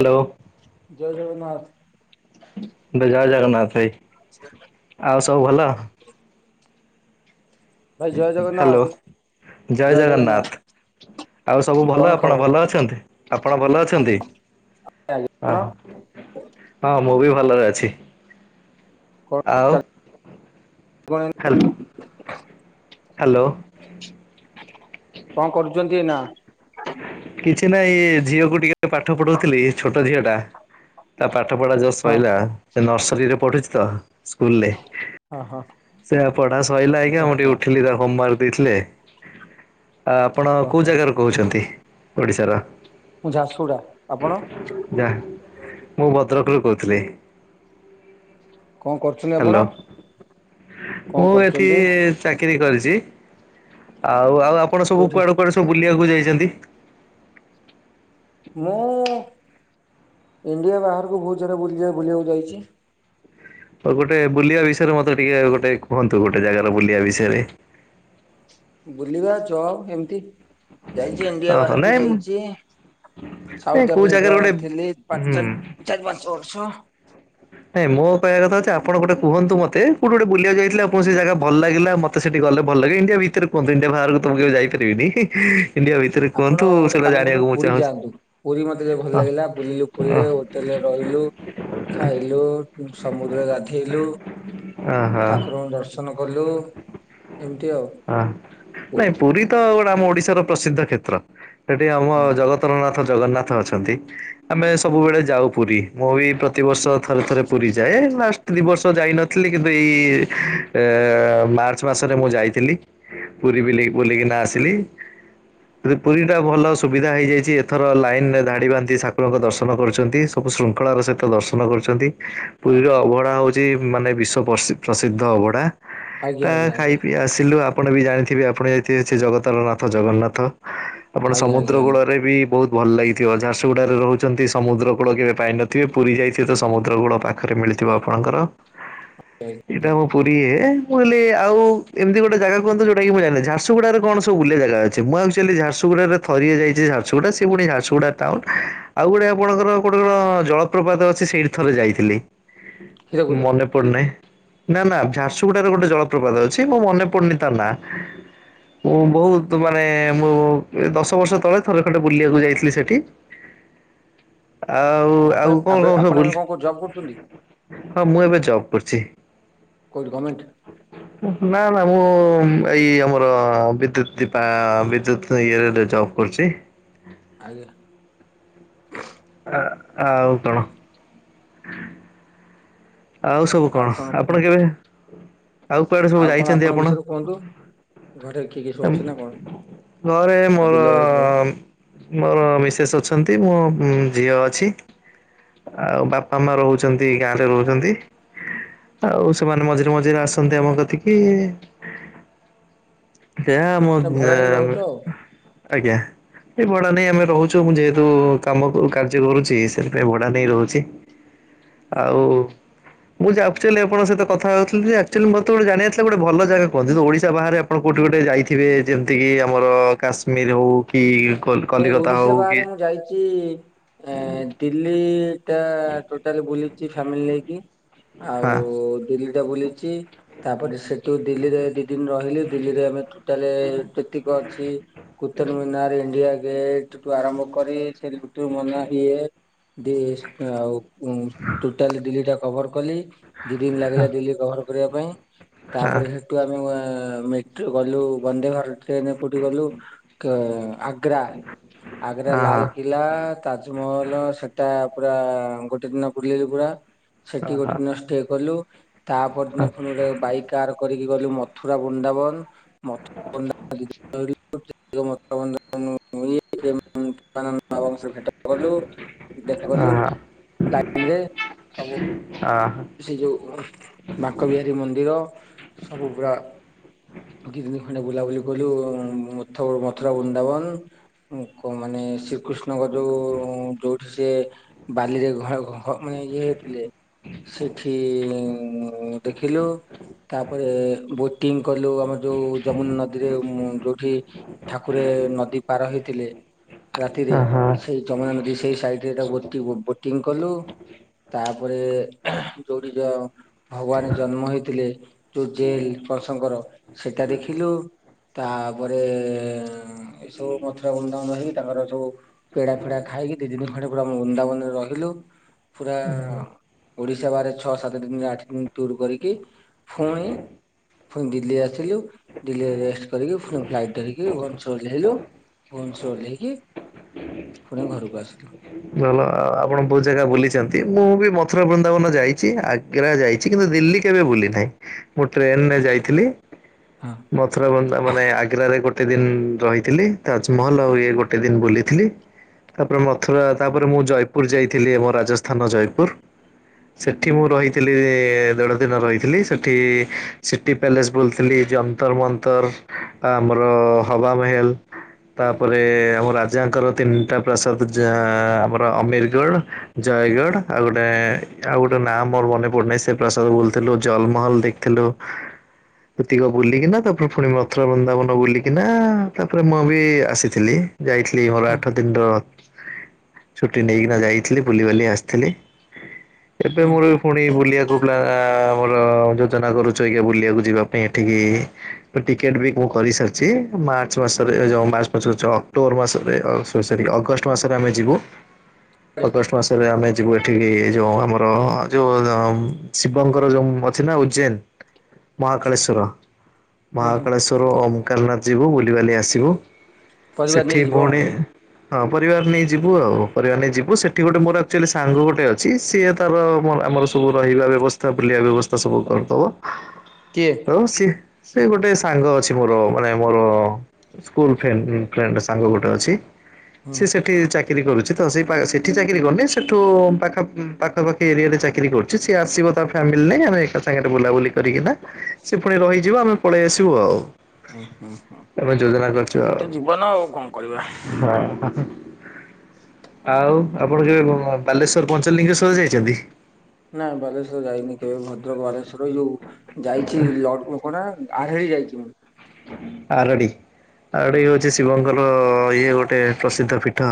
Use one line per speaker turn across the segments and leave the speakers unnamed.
Hello?
ଜୟ ଜଗନ୍ନାଥ।
ଭାଇ ଜୟ ଜଗନ୍ନାଥ ଭାଇ।
ସେ
ଆଉ ସବୁ ଭଲ।
ଭାଇ ଜୟ
ହ୍ୟାଲୋ
ଜଗନ୍ନାଥ।
ଜୟ ଜଗନ୍ନାଥ। ଆଉ ସବୁ ଭଲ
କଣ
ଆପଣ
ଖବର
ଭଲ ଅଛନ୍ତି ଆପଣ ଭଲ ଅଛନ୍ତି? ଆ
କଣ
ହଁ ମୁଁ ବି ଭଲରେ ଅଛି। ଆଉ
[unintelligible]
ହାଲୋ?
କଣ କରୁଛନ୍ତି ଏଇନା?
କିଛି ନାହିଁ ଝିଅକୁ ଟିକେ ପାଠ ପଢ଼ଉଥିଲି ଛୋଟ ଝିଅ ଟା ତା ପାଠ ପଢା ଜଷ୍ଟ
ହଁ
ସଇଲା ସେ ନର୍ସରୀରେ ପଢ଼ୁଛି ତ ସ୍କୁଲରେ
ହଁ ହଁ
ସେ ପଢ଼ା ସରିଲା ଏଇନିକା ମୁଁ ଟିକେ
ଓହୋ
ଉଠିଲି ତା ହୋମୱାର୍କ ଦେଇଥିଲେ ଆ ଆପଣ କେଉଁ
ଓହୋ
ଜାଗାରୁ କହୁଛନ୍ତି ଓଡ଼ିଶାର?
ମୁଁ ଝାରସୁଗୁଡ଼ା। ଆପଣ?
ଝା ମୁଁ ଭଦ୍ରକରୁୁ କହୁଥିଲି।
କଣ କରୁଛନ୍ତି ଆପଣ
ହାଲୋ
କଣ
ମୁଁ ଏଠି
କରୁଛନ୍ତି
ଚାକିରି କରିଚି ଆଉ ଆଉ ଆପଣ ସବୁ
କୋଉଠି
କୁଆଡ଼େ କୁଆଡ଼େ ସବୁ ବୁଲିବାକୁ ଯାଇଚନ୍ତି?
ମୁଁ ଇଣ୍ଡିଆ ବାହାରକୁ ବହୁତ ଜାଗା ବୁଲି ବୁଲିବାକୁ ଯାଇଚି।
ଆଉ ଗୋଟେ ବୁଲିବା ବିଷୟରେ ମତେ ଟିକେ ଗୋଟେ କୁହନ୍ତୁ ଗୋଟେ ଜାଗାର ବୁଲିବା ବିଷୟରେ।
ବୁଲିବା ଜବ୍ ଏମିତି ଯାଇଛି ଇଣ୍ଡିଆ
ଓହୋ
ବାହାରକୁ
ନାଇଁ
ଯାଇଛି।
ନାଇଁ
ସାଉଥ
କୋଉ ଜାଗାରେ ଗୋଟେ
ଆଫ୍ରିକାରେ ଥିଲି ପା
ହୁଁ
ଚା ଚାରି ପାଞ୍ଚ ବର୍ଷ।
ନାଇଁ ମୋ କହିବା କଥା ହଉଛି ଆପଣ ଗୋଟେ କୁହନ୍ତୁ ମତେ କୋଉଠି ଗୋଟେ ବୁଲିବାକୁ ଯାଇଥିଲେ ଆପଣଙ୍କୁ ସେଇ ଜାଗା ଭଲ ଲାଗିଲା ମ ତ ସେଠି ଗଲେ ଭଲ ଲାଗିବ ଇଣ୍ଡିଆ ଭିତରେ କୁହନ୍ତୁ ଇଣ୍ଡିଆ ବାହାରକୁ ତ ମୁଁ କେବେ ଯାଇ ପାରିବିନି ଇ ହି ଇଣ୍ଡିଆ ଭିତରେ
ଆପଣ
କୁହନ୍ତୁ
ଗୋଟେ
ସେଇଟା
କାମ କରନ୍ତୁ
ଜାଣିବାକୁ ମୁଁ
ପୁରୀ
ଚାହୁଁଚି
ଯାଆନ୍ତୁ ପୁରୀ ମତେ ଭଲ
ହ।
ଲାଗିଲା ବୁଲିଲୁ ପୁରୀରେ ହୋଟେଲରେ ରହିଲୁ, ଖାଇଲୁ, ସମୁଦ୍ର ଗାଧେଇଲୁ
ଅ ଅହ।
ଠାକୁରଙ୍କୁ ଦର୍ଶନ କଲୁ ଏମିତି ଆଉ
ହଁ ନାଇଁ
ପୁରୀ ରେ।
ପୁରୀ ତ ଗୋଟେ ଆମ ଓଡ଼ିଶାର ପ୍ରସିଦ୍ଧ କ୍ଷେତ୍ର ସେଠି ଆମ
ହଁ
ଜଗତର ନାଥ ଜ ଜଗନ୍ନାଥ ଅଛନ୍ତି ଆମେ ସବୁବେଳେ ଯାଉ ପୁରୀ ମୁଁ ବି ପ୍ରତିବର୍ଷ ଥରେ ଥରେ ପୁରୀ ଯାଏ ଲାଷ୍ଟ ଦି ବର୍ଷ ଯାଇନଥିଲି କିନ୍ତୁ ଏଇ ଏ ମାର୍ଚ୍ଚ ମାସରେ ମୁଁ ଯାଇଥିଲି ପୁରୀ ବୁଲି ବୁଲିକିନା ଆସିଲି। ପୁରୀ ଟା ଭଲ ସୁବିଧା ହେଇଯାଇଛି ଏଥର ଲାଇନ ରେ ଧାଡ଼ି ବାନ୍ଧି ଠାକୁରଙ୍କ ଦର୍ଶନ କରୁଛନ୍ତି। ସବୁ ଶୃଙ୍ଖଳାର ସହିତ ଦର୍ଶନ କରୁ ଛନ୍ତି ପୁରୀର
ଓହୋ
ଅବଢ଼ା ହଉଛି ମାନେ ବିଶ୍ଵ ପ୍ରସିଦ୍ଧ ଅବଢ଼ା। ତ
ଆଜ୍ଞା ଆଜ୍ଞା
ଖାଇ
ଆଜ୍ଞା
ପିଇ ଆସିଲୁ ଆ ଆପଣ ବି ଜାଣିଥିବେ ଆପଣ ଯାଇଥିବେ ସେ ଜଗତର ନାଥ ଜଗନ୍ନାଥ ଆପଣ
ଆଜ୍ଞା
ସମୁଦ୍ର
ଆଜ୍ଞା ଆଜ୍ଞା
କୂଳରେ ବି ବହୁତ ଭଲ ଲାଗିଥିବ ଝାରସୁଗୁଡ଼ାରେ ରହୁଛନ୍ତି ସମୁଦ୍ର କୂଳ କେବେ ପାଇ ନଥିବେ ପୁରୀ ଯାଇଥିବେ ତ ସମୁଦ୍ର କୂଳ ପାଖରେ ମିଳିଥିବ ଆପଣଙ୍କର
ଆଜ୍ଞା।
ଏଇଟା ମୁଁ ପୁରୀ ଏ ମୁଁ କହିଲି ଇଏ ଆଉ ଏମିତି ଗୋଟେ ଜାଗା କୁହନ୍ତୁ ଯୋଉଟା ମୁ ଜାଣିନି ଝାରସୁଗୁଡ଼ାରେ କଣ ସବୁ ବୁଲିଆ ଜାଗା ଅଛି ମୁଁ ଆକ୍ଚୁଆଲି ଝାରସୁଡ଼ାରେ ଥରିଏ ଯାଇଛି ଝାରସୁଗୁଡ଼ା ସେ ପୁଣି ଝାରସୁଗୁଡ଼ା ଟାଉନ ଆଉ ଗୋଟେ ଆପଣଙ୍କର ଗୋଟେ କଣ ଜଳପ୍ରପାତ ଅଛି ସେ ସେଇଠି ଥରେ ଯାଇଥିଲି
ହୀରାକୁଦ
ମନେ ପ ନାଇଁ ନା ନା ଝାରସୁଗୁଡ଼ାରେ ଗୋଟେ ଜଳପ୍ରପାତ ଅଛି ମୁଁ ମନେ ପଡ଼ୁନି ତା ନା। ମୁଁ ବହୁତ ମାନେ ମୁଁ ଦଶ ବର୍ଷ ତଳେ ଥରେ ଖଣ୍ଡେ ବୁଲିବାକୁ ଯାଇଥିଲି ସେଠି ଆଉ
ଓ ଆପଣ
ଆଉ କଣ
ଆବେ
କଣ ସବୁ
ଆପଣ
ବୁଲି
ଏବେ କୋଉ ଜବ୍ କରୁଛନ୍ତି
ହଁ ମୁଁ ଏବେ ଜବ କରୁଛି।
କୋଉଠି ଗମେଣ୍ଟ?
[inaudible] ନା ନା ମୁଁ ଏଇ ଆମର ବିଦ୍ୟୁତ ଦିପା ବିଦ୍ୟୁତ ଇଏରେ ଜବ କରୁଚି।
ଆଜ୍ଞା।
ଆ ଆଉ କଣ? [inaudible] ଆଉ ସବୁ କଣ ଆପଣ କେବେ ଆଉ କୁଆଡ଼େ ସବୁ
କଣ
ଯାଇଛନ୍ତି
ଆପଣଙ୍କ
ଆପଣ?
ବିଷୟରେ କୁହନ୍ତୁ ଘରେ କିଏ କିଏ ସବୁ ଅଛନ୍ତି ନା କଣ
ଘରେ
ଆଉ
ମୋର
ବିଲବାଡି ଖବର
ଅ ଅ ମୋର ମିସେସ୍ ଅଛନ୍ତି ମୋ ଝିଅ ଅଛି। ଆଉ ବାପା ମା ରହୁଚନ୍ତି ଗାଁ ରେ ରହୁ ଚନ୍ତି ଆଉ ସେମାନେ ମଝିରେ ମଝିରେ ଆସନ୍ତି ଆମ କତିକି। ଯାହା ମୋ
ତମେ ଭଡା
ଏ
ନେଇକି ରହୁଛ ଆଉ
ଆଜ୍ଞା। ଏ ଭଡା ନେଇ ଆମେ ରହୁଛୁ ମୁଁ ଯେହେତୁ କାମ କାର୍ଯ୍ୟ କରୁଛି ସେଥିପାଇଁ ବଡା ନେଇ ରହୁଚି।
ହୁଁ ହୁଁ।
ଆଉ ମୁଁ ଆକ୍ଚୁଆଲି ଆଣଙ୍କ ସହିତ କଥା ହୋଉଥିଲି ଯେ ଆକ୍ଚୁଆଲି ମୋତେ ଗୋଟ ଜାଣିବାର ଥିଲା ଗୋଟେ ଭଲ ଜାଗା କୁହ ତ ଓଡିଶା ବାହାରେ ଆପଣ କଉଠି ଗୋଟେ ଯାଇଥିବେ ଯେ ତିକି ଆମର କାଶ୍ମୀର ହୋଉ କି କଲିକତା ହଉ କି
କି ଏଁ ଦିଲ୍ଲୀ ଟା ଟୋଟାଲ୍ ବୁଲିଚି ଫ୍ୟାମିଲି ନେଇକି ଆଉ
ହଁ
ଦିଲ୍ଲୀ ଟା ବୁଲିଚି। ତାପରେ ସେଠୁ ଦିଲ୍ଲୀରେ ଦି ଦିନି ରହିଲି ଦିଲ୍ଲୀରେ ଆମେ ଟୋଟାଲେ ଟେକି କ ଏ କୁତୁରମିନାର୍ ଇଣ୍ଡିଆ ଗେଟ୍ ଠୁ ଆରମ୍ଭ କରି ଭିତୁରୁ ସିଏ ଆଉ ଟୋଟାଲି ଦିଲ୍ଲୀ ଟା କଭର୍ କଲି ଦି ଦିନ୍ ଲାଗିଲା ଦିଲ୍ଲୀ କଭର୍ କରିବା ପାଇଁ,
ହଁ
ତାପରେ ଆମେ ମେଟ୍ରୋ ଗଲୁ ବନ୍ଦେ ଭାରତ୍ ଟ୍ରେନ୍ କୋଉଠି ଗଲୁ କେ ଆ ଗ୍ରା ଆଗ୍ରା ଲାଲ୍ କି ଲା ତାଜ୍ ମହଲ ସେଟା ପୁରା ଗୋଟେ ଦିନ ବୁଲିଲୁ ପୁରା। ସେଠି
ହଁ ହଁ
ଗୋଟେ
ହଁ
ଦିନ ଷ୍ଟେ କଲୁ ତା ପରଦିନ ପୁଣି ଗୋଟେ ବାଇକ୍ କାର୍ କରିକି ଗଲୁ ମଥୁରା ବୃନ୍ଦାବନ୍। [inaudible] ଙ୍କ ସହ ଭେଟ କଲୁ
ହଁ
ଦେଖାକଲୁ। ଲାଇନ୍ ରେ ସବୁ
ଆଁ
ସେଇ ଯୋଉ ବାଙ୍କ ବିହାରୀ ମନ୍ଦିର ସବୁ ପୁରା କିଛି ଦିନ୍ ଖଣ୍ଡେ ବୁଲାବୁଲି କଲୁ। ଥ ମଥୁରା ବୁନ୍ଦାବନ୍ ମାନେ ଶୀ ଶ୍କୃଷ୍ଣଙ୍କ ଯୋଉ ଯୋଉଠି ସେ ବାଲିରେ ଘର ଘ ମାନେ ଇଏ ହେଇଥିଲେ। ସେଠି ଦେଖିଲୁ ତାପରେ ବୋଟିଂ କଲୁ ଆମେ‌। ଯୋଉ ଯମୁନା ନଦୀରେ ଯୋଉଠି ଠାକୁରେ ନଦୀ ପାର ହେଇଥିଲେ। ରାତିରେ
ହଁ ହଁ
ସେଇ ଯମୁନା ନଦୀ ସେଇ ସାଇଡ୍ ତାକୁ ବୋଟି ବୋଟିଂ କଲୁ ତାପରେ ଯୋଉଠି ଯ ଭଗବାନ ଜନ୍ମ ହେଇଥିଲେ ଯୋଉ ଜେଲ୍ କଳ୍ ସଙ୍କର ସେଟା ଦେଖିଲୁ। ତାପରେ ଏସବୁ ମଥୁରା ବ୍ରୁନ୍ଦାବନ ହେଇ ତାଙ୍କର ସବୁ ପେଡା ଫେଡା ଖାଇକି ଦି ଦିନି ଖାଣ୍ଡେ ପୁରା ବୃନ୍ଦାବନରେ ରହିଲୁ। ପୁରା ଓଡିଶା ବାହାରେ ଛଅ ସାତ ଦିନରେ ଆଠ ଦିନ ଟୁରୁ କରିକି ଫୁଣି ଫୁଣି ଦିଲ୍ଲୀ ଆସିଲୁ ଦିଲ୍ଲୀରେ ରେଷ୍ଟ୍ କରିକି ଫୁଣି ଫ୍ଲାଇଟ୍ ଧରିକି ଭୁଅନ୍ ଶ୍ୱର ଓହ୍ଲେଇଲୁ ଭୁବନେଶର୍ ଓହ୍ଲେଇକି ପୁଣି ଘରକୁ ଆସିଲୁ।
ଭଲ ଆଉ ଆପଣ ବୋହୁତ୍ ଜାଗା ବୁଲିଚନ୍ତି ମୁଁ ବି ମଥୁରା ବୃନ୍ଦାବନ୍ ଯାଇଚି ଆ ଟେରା ଯାଇଚି କିନ୍ତୁ ଦିଲ୍ଲୀ କେବେ ବୁଲି ନାହିଁ ମୁଁ ଟ୍ରେନରେ ଯାଇଥିଲି।
ହଁ।
ମଥୁରା ବନ୍ତା ମାନେ ଆଗ୍ରାରେରେ ଗୋଟେ ଦିନ୍ ରହିଥିଲି ତାଜ୍ ମହଲ୍ ଆଉ ଇଏ ଗୋଟେ ଦିନ୍ ବୁଲି ଥିଲି ତାପରେ ମଥୁରା ତାପରେ ମୁଁ ଜୟପୁର ଯାଇଥିଲି ଆମ ରାଜସ୍ଥାନ ଜୟେପୁର୍। ସେଠି ମୁଁ ରହିଥିଲି ଦେଢ଼ ଦିନ ରହିଥିଲି ସେଠି ସି ଟି ପ୍ୟାଲେସ୍ ବୁଲିଥିଲି ଯନ୍ତର୍ ମନ୍ତର୍ ଆମର ହବା ମେହେଲ। ତାପରେ ଆମ ରା ଯାଙ୍କର୍ ତିନିଟା ପ୍ରସାଦ୍ ଆମର ଅମିର୍ ଗଡ଼୍ ଜୟ ଗଡ଼୍ ଆଉ ଗୋଟେ ଆଉ ଗୋଟେ ନାଁ ମୋର ମନେ ପଡୁନାହିଁ ସେ ପ୍ରସାଦ ବୁଲଥିଲୁ ଜଲମହଲ ଦେଖଥିଲୁ। ଏତିକ ବୁଲିକିନା ତାପରେ ପୁଣି ମଥୁରା ବୃନ୍ଦାବନ ବୁଲିକିନା ତାପରେ ମୁଁ ବି ଆସିିଲ୍। ଥିଲି ଯାଇଥିଲି ମୋର
ହଁ
ଆଠ ଦିନ ର ଛୁଟି ନେଇକିନା ଯାଇଥିଲି। ବୁଲି ବୁଲି ଆସଥିଲି। ଏବେ
ହଁ
ମୋର ପୁଣି ବୁଲିଆକୁ କହୁଥିଲା ଆମର ଯୋଜନା କରୁଛୁ ଆଜ୍ଞା ବୁଲିଆକୁ ଯିବା ପାଇଁ ଏଠିକି ଟିକେଟ୍ ବିକ୍ ମୁଁ କରିସାରିଛି ମାର୍ଚ୍ଚ ମାସରେ ଯୋ ମାର୍ଚ୍ଚ ମାସ କହୁଚି ଅକ୍ଟୋବର ମାସ ରେ ଅ ସରି ସରି ଅଗଷ୍ଟ ମାସରେ ଆମେ ଯିବୁ। ଅଗଷ୍ଟ ମାସରେ ଆମେ ଯିବୁ ଏଠିକି ଯୋ ଆମ ର ଅ ଯୋଉ ଉମ୍ ଶିବଙ୍କର ଯୋଉ ଉମ୍ ଅଛି ନା ଉଜ୍ଜୈନ ମହାକାଳେଶ୍ୱର
ହଁ ହଁ
ମହାକାଳେଶ୍ୱର ଓମକାରନାଥ ଯିବୁ ବୁଲିବାଲି ଆସିବୁ।
ପରିବାର
ସେଠି
ନେଇକି ଯିବ ଆଉ।
ପୁଣି ହଁ ପରିବାର ନେଇ ଯିବୁ। ଆଉ ପରିବାର ନେଇ ଯିବୁ ସେଠି ଗୋଟେ ମୋର ଆକ୍ଚୁଆଲି ସାଙ୍ଗ ଗୋଟେ ଅଛି ସିଏ ତାର ଆମର ସବୁ ରହିବା ବ୍ୟବସ୍ଥା ବୁଲିବା ବ୍ୟବସ୍ଥା ସବୁ କରିଦବ।
କିଏ?
ଓ ସେ, ସେ ଗୋଟେ ସାଙ୍ଗ ଅଛି ମୋର ମାନେ ମୋର ସ୍କୁଲ ଫ୍ରେଣ୍ଡ୍ ଫ୍ରେଣ୍ଡ୍। ସାଙ୍ଗ ଗୋଟେ ଅଛି
ହୁଁ
ସିଏ ସେଟ୍ ସେଠି ଚାକିରି କରୁଛି ତ ସେ ସେଠି ଚାକିରି କରନି ସେଠୁ ପାଖ ପାଖାପାଖି ଏରିଆରେ ଚାକିରି କରୁ। ଯେ ସିଏ ଆସିବ ତା ଫ୍ୟାମିଲି ନେଇ ଆମେ ଏକା ସାଙ୍ଗରେ ବୁଲାବୁଲି କରିକି ନା ସେ ପୁଣି ରହିଯିବ। ଆମେ ପଳେଇ ଆସିବୁ ଆଉ।
ଉୁଁ ହୁଁ ହୁଁ
ଆମେ ଯୋଜନା କରିଛୁ ଆଉ
ଏଇତ ଜୀବନ ଆଉ କଣ କରିବା।
ହଁ। ଆଉ ଆପଣ କେବେ ବାଲେଶ୍ଵର ପଞ୍ଚଲିଙ୍ଗେଶ୍ଵର ଯାଇଛନ୍ତି?
ନାଇଁ ବାଲେଶ୍ଵର ଯାଇନି କେବେ ଭଦ୍ରକ ବାଲେଶ୍ୱର ଏଇ ଯୋଉ ଯାଇଛି ଲଡକୁ କଣଟା ଆରହେଡି ଯାଇଛି ମୁଁ।
ଆରଡି ଆରଡି ହଉଚି ଶିବଙ୍କର ଇଏ ଗୋଟେ ପ୍ରସିଦ୍ଧ ପୀଠ।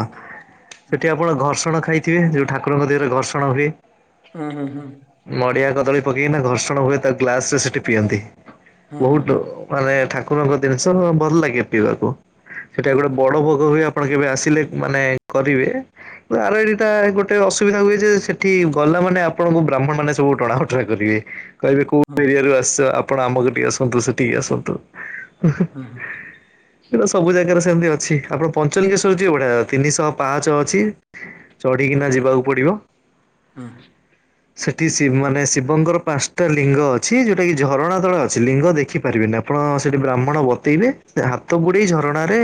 ସେଠି ଆପଣ ଘର୍ଷଣ ଖାଇଥିବେ ଯୋଉ ଠାକୁରଙ୍କ ଦେହରେ ଘର୍ଷଣ ହୁଏ।
ଉଁ ହୁଁ ହୁଁ।
ନଡିଆ କଦଳୀ ପକେଇକିନା ଘର୍ଷଣ ହୁଏ ତା ଗ୍ଲାସ ରେ ସେଠି ପିଅନ୍ତି।
ହୁଁ
ବହୁତ୍
ହୁଁ
ମାନେ ଠାକୁରଙ୍କ ଜିନିଷ ଭଲ ଲାଗେ ପିଇବାକୁ ସେଟା
ହୁଁ ହୁଁ ହୁଁ ହୁଁ ହୁଁ
ଗୋଟେ ବଡ
ହୁଁ
ଭୋଗ ହୁଏ। ଆପଣ କେବେ ଆସିଲେ ମାନେ କରିବେ। ଆରଡି ଟା ଏଇ ଗଟେ ଅସୁବିଧା ହୁଏ ଯେ ସେଠି ଗଲା ମାନେ ଆପଣଙ୍କୁ ବ୍ରାହ୍ମଣ ମାନେ ସବୁ ଟଣା ଓଟ୍ ଟରା କରିବେ। କହିବେ କୋଉ ଏରିଆରୁ ଆସିଛ ଆପଣ ଆମ କଟିକି ଆସନ୍ତୁ ସେଠିକି ଆସନ୍ତୁ। ଉଁ ହୁଁଁ।
ହୁଁ ହୁଁ।
ଏଟା ସବୁ ଜାଗାରେ ସେମତି ଅଛି। ଆପଣ ପଞ୍ଚଲିଙ୍ଗେଶ୍ଵର
ଅଛି
ଯିବେ ବଢିଆ ତିନିଶହ ପାହଚ ଅଛି।
ହୁଁ
ଚଢ଼ିକିନା ଯିବାକୁ ପଡିବ।
ହୁଁ
ସେଠି ଶି ମାନେ ଶିବଙ୍କର ପାଞ୍ଚଟା ଲିଙ୍ଗ ଅଛି ଯୋଉଟା କି ଝରଣା ତଳେ ଅଛି ଲିଙ୍ଗ ଦେଖିପାରିବେନି ଆପ୍ ଆପଣ ସେଠି ବ୍ରାହ୍ମଣ ବତେଇବେ ହାତ ବୁଡେଇ ଝରଣାରେ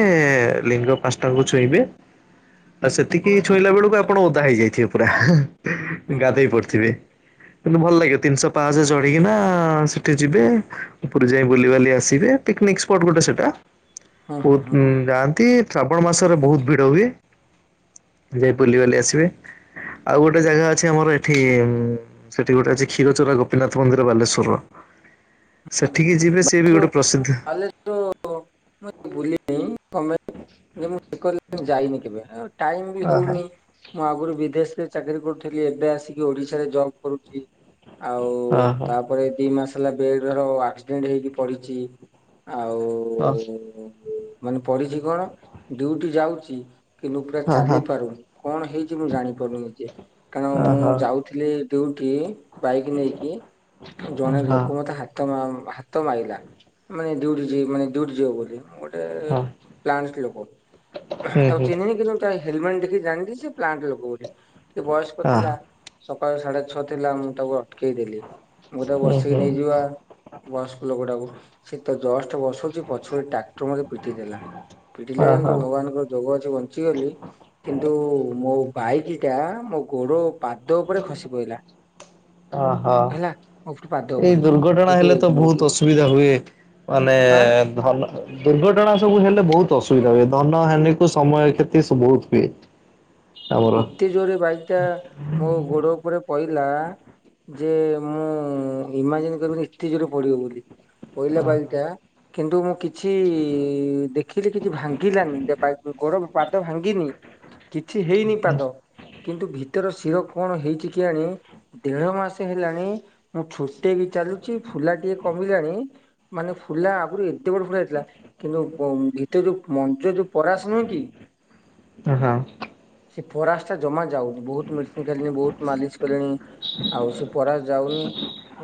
ଲିଙ୍ଗ ପାଞ୍ଚଟାକୁ ଛୁଇଁବେ। ଆଉ ସେତିକି ଛୁଇଁଲା ବେଳୁକୁ ଆପଣ ଓଦା ହେଇଯାଇଥିବେ ପୁରା ହେଁ
ହଁ ହଁ
ଗାଧେଇ
ହଁ
ପଡିଥିବେ। କିନ୍ତୁ ଭଲ ଲାଗିବ। ତିନିଶହ ପାଁଶହ ଚଢିକିନା ସେଠି ଯିବେ ଉପରେ ଯାଇ ବୁଲିିବାଲି ଆସ୍ ସିବେ। ପିକନିକ ସ୍ପଟ ଗୋଟେ ସେଟା
ହଁ ହଁ
ବହୁତ
ହଁ ହଁ
ଯାଆନ୍ତି। ଶ୍ରାବଣ ମାସରେ ବହୁତ ଭିଡ ହୁଏ। ଯାଇ ବୁଲିବାଲି ଆସିବେ। ଆଉ ଗୋଟେ ଜାଗା ଅଛି ଆମର ଏଠି। ସେଠି ଗୋଟେ ଅଛି କ୍ଷୀର ଚୋରା ଗୋପୀନାଥ ମନ୍ଦିର ବାଲେଶ୍ଵରର। ସେଠିକି ଯିବେ ସିଏ ବି ଗୋଟେ ପ୍ରସିଦ୍ଧ।
ତାଲେ [unintelligible] [unintelligible] ଯାଇନି କେବେ ଟାଇମ ବି
ଓହୋ
ହଉନି। ମୁଁ ଆଗରୁ ବିଦେଶରେ ଚାକିରି କରୁଥିଲି। ଏବେ ଆସିକି ଓଡ଼ିଶାରେ ଜବ୍ କରୁଛି। ଆଉ
ଓହୋ
ତାପରେ ଦି ମାସ ହେଲା ବେଡର ଆକ୍ସିଡେଣ୍ଟ ହେଇକି ପଡିଛି ଆଉ
[unintelligible]
ମାନେ ପଢିଛି କଣ? ଡୁଟି ଯାଉଛି କିନ୍ତୁ ପୁରା
ହଁ
ଚାଲି ପାରୁନି। କଣ ହେଇଛି ମୁଁ ଜାଣିପାରୁନି ଯେ, କାରଣ ମୁଁ
ଓହୋ ହଁ
ଯାଉଥିଲି ଡିଉଠି ବାଇକ୍ ନେଇକି, ଜଣେ ଲୋକ
ହଁ
ମତେ ହାତ ହାତ ମାରଲା ମାନେ ଦିଓଟି ମାନେ ଡିଉଟି ଯିବ ବୋଲି ଗୋଟେ ଗୋଟେ
ହୁଁ
ପ୍ଲାଣ୍ଟ ଲୋକ ତାକୁ
ହୁଁ
ଚିନିନି କିନ୍ତୁ ହେଲମେଟ ଦେକି ଜାଣିଲି ସେ ପ୍ଲାଣ୍ଟ ଲଗ ବୋଲି, ଟିକେ ବୟସ୍କ
ହଁ
ଥିଲା। ସକାଳୁ ସାଢେ ଛଅ ଥିଲା, ମୁଁ ତାକୁ ଅଟକେଇ ଦେଲି ମୁଁ ତାକୁ ବ
ହୁଁ ହୁଁ
ବୟସ୍କଲୋକଟାକୁ। ସେ ତ ଜଷ୍ଟ ବସଉଛି ପଛ ଆଡ଼ୁ ଟ୍ରାକ୍ଟର ମୋତେ ପିଟି ଦେଲା, ପିଟିଲେ ଯେମତି
ଓହୋ
ଭଗବାନଙ୍କ ଯୋଗ ଅଛି ବଞ୍ଚିଗଲି କିନ୍ତୁ ମୋ ବାଇକ ଟା ମୋ ଗୋଡ ପାଦ ଉପରେ ଖସି ପଡ଼ିଲା
ଓହୋ
ହେଲା। ମୋ ପାଦ
ଏଇ
ଉପରେ
ଦୁର୍ଘଟଣା
ଯେତେ
ହେଲେ ତ
ମୋ
ବହୁତ ଅସୁବିଧା ହୁଏ, ମାନେ
ଆଁ
ଧନ ଦୁର୍ଘଟଣା ସବୁ ହେଲେ ବହୁତ ଅସୁବିଧା ହୁଏ ଧନ ହାନୀ କ ସମୟ କ୍ଷତି ସବୁ ବହୁତ ହୁଏ। ଆମର
ଏତେ ଜୋରରେ ବାଇକ୍ ଟା ମୋ ଗୋଡ ଉପରେ ପଇ ଲା ଯେ ମୁଁ ଇମାଜିନ୍ କରିପାରିନି ଏତେ ଜୋର ପଡିବ ବୋଲି। ପଇଲା ବାଇକ ଟା କିନ୍ତୁ ମୁଁ କି ଛି ଦେଖିଲି କିଛି ଭାଙ୍ଗିଲାନି ଦେ ପା ଗୋଡ ପାଦ ଭାଙ୍ଗିନି କିଛି ହେଇନି ପାଦ କିନ୍ତୁ ଭିତର ଶିର କଣ ହେଇଛି କେଜାଣି ଦେଢ ମାସେ ହେଲାଣି ମୁଁ ଛୋଟେଇ କି ଚାଲୁଛି ଫୁଲା ଟିକେ କମିଲାଣି ମାନେ ଫୁଲା ଆଗରୁ ଏତେ ବଡ ଫୁଲା ହେଇଥିଲା କିନ୍ତୁ ଉଁ ଭିତରୁ ଯୋଉ ମଞ୍ଚ ଯୋଉ ପରାସ ନୁହେଁ କି।
ଓ ହଁ।
ସେ ପରାସ ଟା ଜମା ଯାଉନି ବହୁତ ମେଡ଼ [unintelligible] ବହୁତ ମାଲିସ କଲିଣି ଆଉ ସେ ପରାସ ଯାଉନି।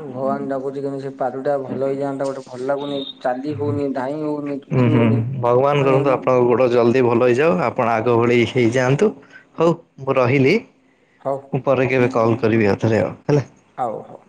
ଭଗବାନ କୁ ଡାକୁଛି କେମିତି ସେ ପାଦ ଟା ଭଲ ହେଇଯାଆନ୍ତା ଗୋଟେ ଭଲ ଲାଗୁନି ଚାଲି ହୋଉନି ଧାଇଁ ହୋଉନି।
ହୁଁ ହୁଁ ହୁ ଭଗବାନ କରନ୍ତୁ ଆପଣଙ୍କ ଗୋଟେ ଜଲଦି ଭଲ ହେଇଯାଉ, ଆପଣ ଆଗ ଭଳି ହେଇଯାଆନ୍ତୁ, ହଉ ମୁଁ ରହିଲି।
ହଉ।
ମୁଁ ପରେ କେବେ କଲ୍ କରିବି ଆଉ ଥରେ ହେଲା।
ହଉ ହଉ।